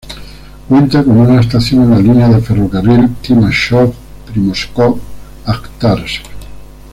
Cuenta con una estación en la línea de ferrocarril Timashovsk-Primorsko-Ajtarsk.